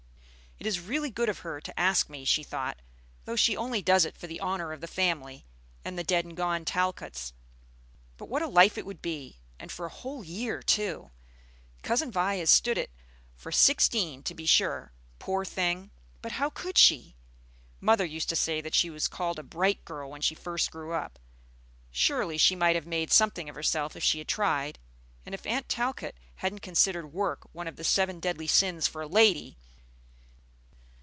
"It is really good of her to ask me," she thought, "though she only does it for the honor of the family and the dead and gone Talcotts. But what a life it would be, and for a whole year too! Cousin Vi has stood it for sixteen, to be sure, poor thing! but how could she? Mother used to say that she was called a bright girl when she first grew up. Surely she might have made something of herself if she had tried, and if Aunt Talcott hadn't considered work one of the seven deadly sins for a lady!